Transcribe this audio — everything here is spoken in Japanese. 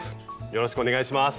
よろしくお願いします。